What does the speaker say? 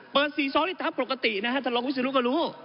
เปิด๔ซ้อนที่ตามปกตินะฮะถ้าลองวิสูจน์รู้ก็รู้